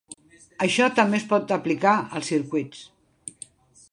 Això també es pot aplicar als circuits.